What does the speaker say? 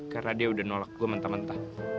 karena dia udah nolak gue mentah mentah